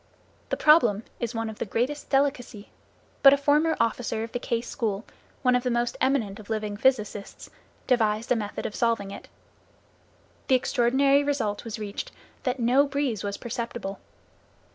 The problem is one of the greatest delicacy, but a former officer of the Case School, one of the most eminent of living physicists, devised a method of solving it. The extraordinary result was reached that no breeze was perceptible.